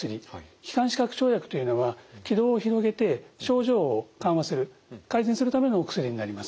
気管支拡張薬というのは気道を広げて症状を緩和する改善するためのお薬になります。